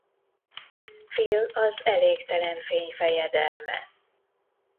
Phil az elégtelen fény fejedelme.